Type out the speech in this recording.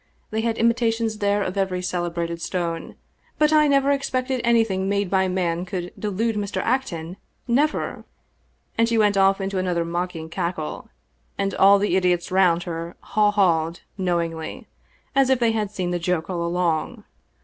They had imita tations there of every celebrated stone ; but I never expected anything made by man could delude Mr. Acton, never !" And she went off into another mocking cackle, and all the idiots roimd her haw hawed knowingly, as if they had seen the joke all along.